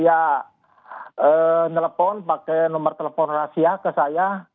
ya telepon pakai nomor telepon rahasia ke saya